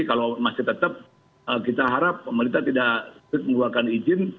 kalau masih tetap kita harap pemerintah tidak mengeluarkan izin